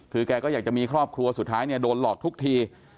คือแกก็อยากจะมีครอบครัวสุดท้ายเนี่ยโดนหลอกทุกที